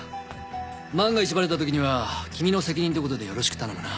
万が一バレた時には君の責任って事でよろしく頼むな。